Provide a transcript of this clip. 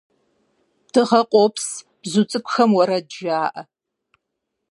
Дыгъэ къопс, бзу цӏыкӏухэм уэрэд жаӏэ!